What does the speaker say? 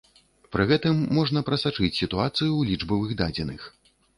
Пры гэтым можна прасачыць сітуацыю ў лічбавых дадзеных.